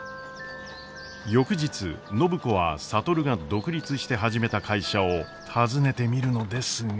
翌日暢子は智が独立して始めた会社を訪ねてみるのですが。